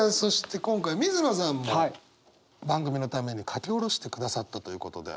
今回水野さんも番組のために書き下ろしてくださったということで。